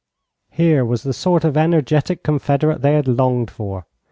Here was the sort of energetic confederate they had longed for.